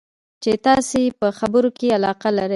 چې تاسې یې په خبرو کې علاقه لرئ.